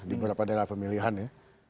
di beberapa daerah pemilihan ya